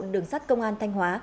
đường sát công an thanh hóa